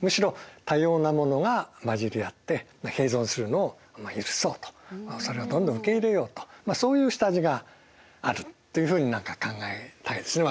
むしろ多様なものが混じり合って併存するのを許そうとそれをどんどん受け入れようとそういう下地があるっていうふうに何か考えたいですね。